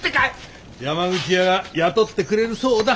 山口屋が雇ってくれるそうだ。